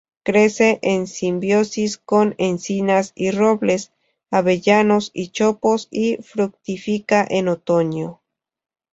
Crece en simbiosis con encinas y robles, avellanos y chopos y fructifica en otoño.